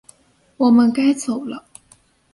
我们该走了